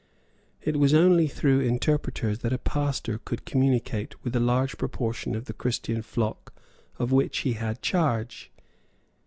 It was only through interpreters that a pastor could communicate with a large portion of the Christian flock of which he had charge.